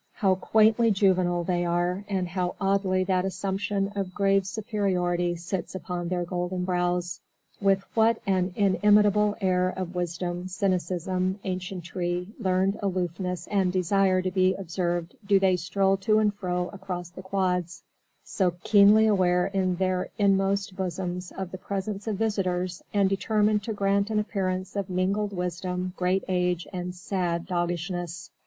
How quaintly juvenile they are, and how oddly that assumption of grave superiority sits upon their golden brows! With what an inimitable air of wisdom, cynicism, ancientry, learned aloofness and desire to be observed do they stroll to and fro across the quads, so keenly aware in their inmost bosoms of the presence of visitors and determined to grant an appearance of mingled wisdom, great age, and sad doggishness!